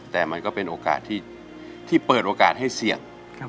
แต่มันก็เป็นโอกาสที่เปิดโอกาสให้เสี่ยง